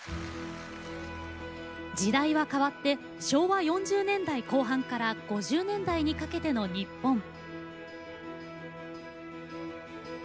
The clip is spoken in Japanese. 時代変わって昭和４０年代後半から５０年代にかけての日本。